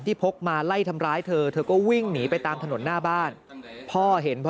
พกมาไล่ทำร้ายเธอเธอก็วิ่งหนีไปตามถนนหน้าบ้านพ่อเห็นพอ